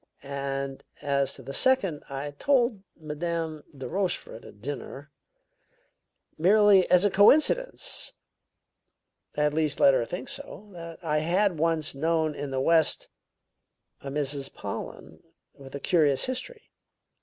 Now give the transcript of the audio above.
"And as to the second, I told Madame de Rochefort at dinner merely as a coincidence; at least, I let her think so that I had once known in the West a Mrs. Pollen with a curious history.